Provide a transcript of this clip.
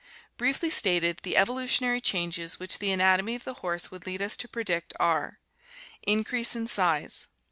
— Briefly stated, the evolutionary changes which the anatomy of the horse would lead us to predict are: Increase in size.